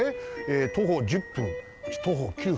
徒歩１０分徒歩９分。